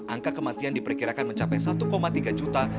angka kematian diperkirakan mencapai satu tiga juta